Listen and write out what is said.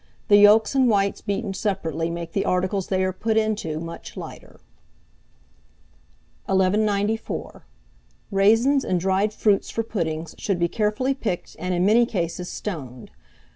The yolks and whites beaten separately make the articles they are put into much lighter. 1194. Raisins and dried fruits for puddings should be carefully picked, and, in many cases, stoned.